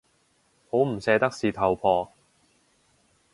好唔捨得事頭婆